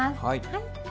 はい。